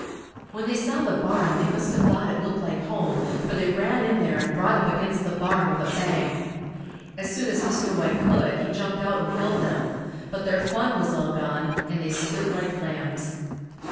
When they saw the barn, they must have thought it looked like home for they ran in there and brought up against the barn with a bang. As soon as Mr. White could, he jumped out and held them, but their fun was all gone and they stood like lambs.